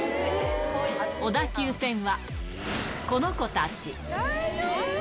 小田急線はこの子たち。